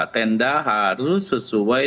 tenda harus sesuai